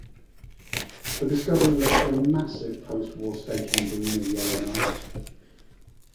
The discovery led to a massive post-war staking boom in Yellowknife.